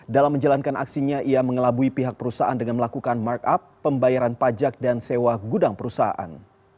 dalam menjalankan aksinya ia mengelabui pihak perusahaan dengan melakukan markup pembayaran pajak dan sewa gudang perusahaan